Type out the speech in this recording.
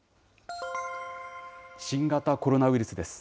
新型コロナウイルスです。